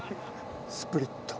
スプリット。